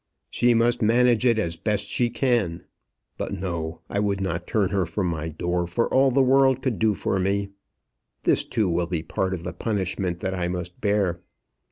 "She must manage it as best she can. But no; I would not turn her from my door for all the world could do for me. This, too, will be part of the punishment that I must bear.